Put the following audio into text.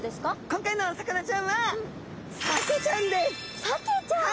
今回のお魚ちゃんはサケちゃん。